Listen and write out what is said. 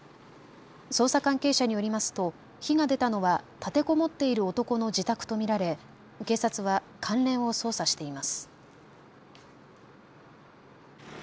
捜査関係者によりますと火が出たのは立てこもっている男の自宅と見られ警察は関連を捜査しています。